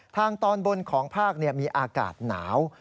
ทางตอนบนของภาคมีอากาศหนาว